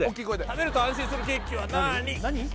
食べると安心するケーキはなーに？